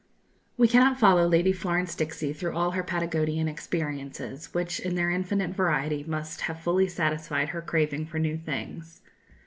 We cannot follow Lady Florence Dixie through all her Patagonian experiences, which in their infinite variety must have fully satisfied her craving for new things.